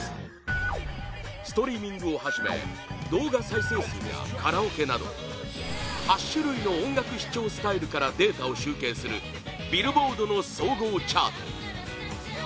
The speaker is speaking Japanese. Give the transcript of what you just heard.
ストリーミングをはじめ動画再生数やカラオケなど８種類の音楽視聴スタイルからデータを集計するビルボードの総合チャート